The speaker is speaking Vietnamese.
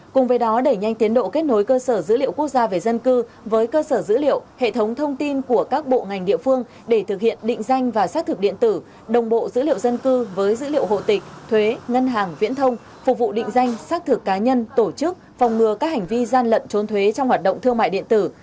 cùng với đó đẩy nhanh tiến độ kết nối cơ sở dữ liệu quốc gia về dân cư với cơ sở dữ liệu hệ thống thông tin của các bộ ngành địa phương để thực hiện định danh và xác thực điện tử đồng bộ dữ liệu dân cư với dữ liệu hồ tịch thuế ngân hàng viễn thông phục vụ định danh xác thực cá nhân tổ chức phòng ngừa các hành vi gian lận trốn thuế trong hoạt động thương mại điện tử